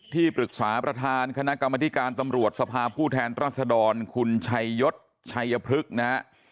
ที่ปรึกษาประธานคณะกรรมธิการตำรวจสภาพผู้แทนรัศดรคุณชัยยศชัยพฤกษ์นะฮะ